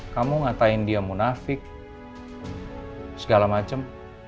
kamu ngapain dia munafik segala macem